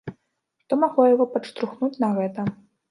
Што магло яго падштурхнуць на гэта?